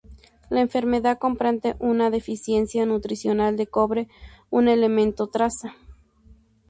La enfermedad comprende una deficiencia nutricional de cobre, un elemento traza.